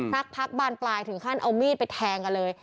สักพักบานปลายถึงขั้นเอามีดไปแทงกันเลย